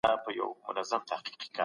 زه پاک لباس اغوندم.